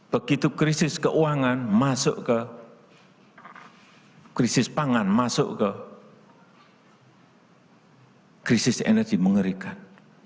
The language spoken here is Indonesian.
begitu krisis keuangan masuk ke krisis pangan masuk ke krisis energi mengerikan